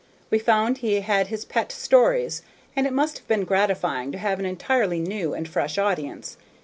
We found he had his pet stories, and it must have been gratifying to have an entirely new and fresh audience.